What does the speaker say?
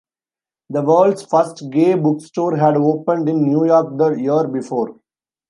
The world's first gay bookstore had opened in New York the year before.